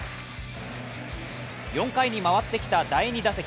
４回に回ってきた第２打席。